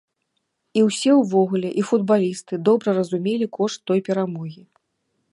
І ўсе ўвогуле, і футбалісты добра разумелі кошт той перамогі.